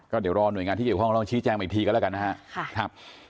เดี๋ยวรอหน่วยงานที่เกี่ยวข้องลองชี้แจ้งอีกทีก็แล้วกันนะครับ